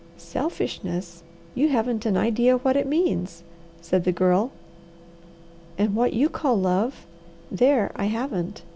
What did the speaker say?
"Selfishness! You haven't an idea what it means," said the Girl. "And what you call love there I haven't.